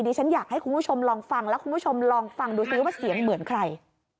ฉันอยากให้คุณผู้ชมลองฟังแล้วคุณผู้ชมลองฟังดูซิว่าเสียงเหมือนใคร